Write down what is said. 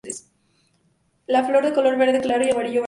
La flor de color verde claro o amarillo verdoso.